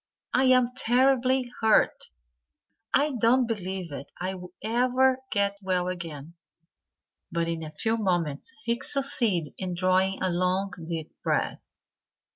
I'm terribly hurt. I don't believe I'll ever get well again." But in a few moments he succeeded in drawing a long, deep breath.